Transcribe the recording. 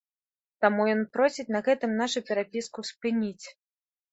Таму ён просіць на гэтым нашу перапіску спыніць.